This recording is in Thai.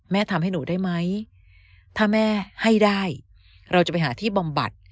ทำให้หนูได้ไหมถ้าแม่ให้ได้เราจะไปหาที่บำบัด